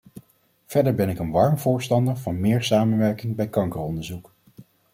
Verder ben ik een warm voorstander van meer samenwerking bij kankeronderzoek.